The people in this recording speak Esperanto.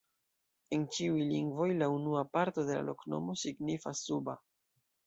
En ĉiuj lingvoj la unua parto de la loknomo signifas: suba.